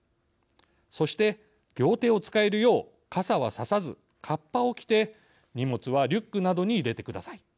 そして両手を使えるよう傘はささずカッパを着て荷物はリュックなどに入れてください。